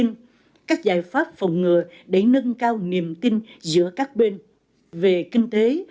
các nghị viện ipa đề xuất về pháp phòng ngừa để nâng cao niềm tin giữa các bên về kinh tế